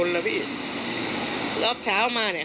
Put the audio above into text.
ถ้าเขาถูกจับคุณอย่าลืม